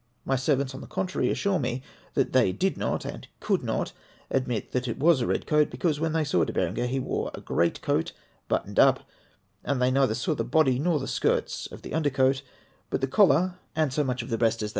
My servants, on the contrar}^, assure me that they did not, and could not, admit that it was a red coat ; because, when they saw De Berenger, he wore a great coat buttoned up, and they neither saw the body nor the skirts of the under coat ; Imt the collar, and so much of tiie breast as 458 APPEXDIX XIII.